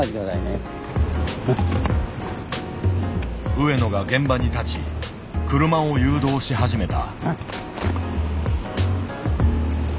上野が現場に立ち車を誘導し始めた。